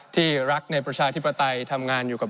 ที่รักในประชาธิปไตยทำงานอยู่กับ